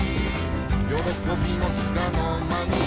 「よろこびもつかのまに」